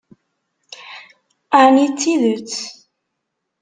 Ɛni d tidet?